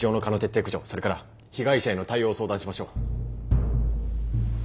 それから被害者への対応を相談しましょう。